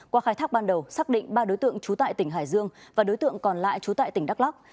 qua khai thác ban đầu xác định ba đối tượng trú tại tỉnh hải dương và đối tượng còn lại trú tại tỉnh đắk lắc